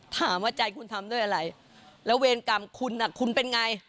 ถามว่าใจคุณทำด้วยอะไรแล้วเวรกรรมคุณคุณเป็นไง